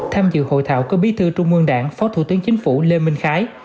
tham dự hội thảo có bí thư trung ương đảng phó thủ tướng chính phủ lê minh khái